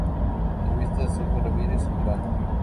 Entrevista a Sergio Ramírez"; "Al grano.